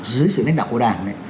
dưới sự lãnh đạo của đảng đấy